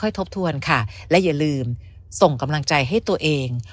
ทบทวนค่ะและอย่าลืมส่งกำลังใจให้ตัวเอง